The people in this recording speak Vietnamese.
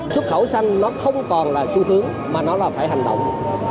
xuất khẩu xanh nó không còn là xu hướng mà nó là phải hành động